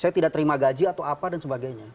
saya tidak terima gaji atau apa dan sebagainya